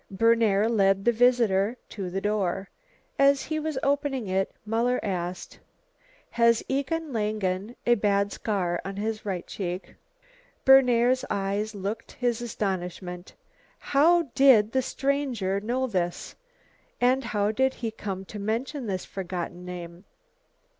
Berner led the visitor to the door. As he was opening it, Muller asked: "Has Egon Langen a bad scar on his right cheek?" Berner's eyes looked his astonishment. How did the stranger know this? And how did he come to mention this forgotten name.